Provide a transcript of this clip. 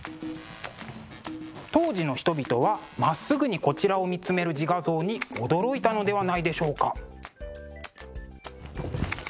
当時の人々はまっすぐにこちらを見つめる自画像に驚いたのではないでしょうか？